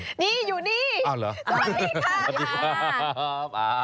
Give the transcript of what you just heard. หนะนี่อยู่นี่สวัสดีค่ะจะมาดิถา